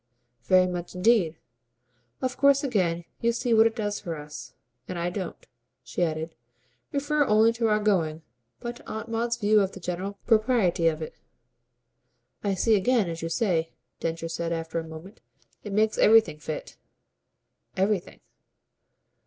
"Very much indeed. Of course again you see what it does for us. And I don't," she added, "refer only to our going, but to Aunt Maud's view of the general propriety of it." "I see again, as you say," Densher said after a moment. "It makes everything fit." "Everything."